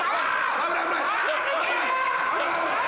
危ない。